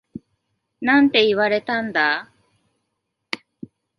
なんて言われたんだ？